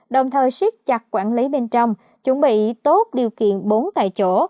đồng thời siết chặt quản lý bên trong chuẩn bị tốt điều kiện bốn tại chỗ